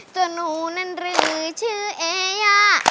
ตัวหนูนั่นหรือชื่อเอย่า